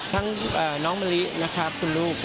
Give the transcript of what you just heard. น้องมะลินะครับคุณลูก